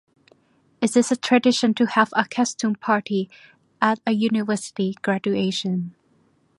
It is a tradition to have a costume party at a university graduation.